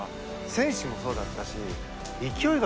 選手もそうだったし。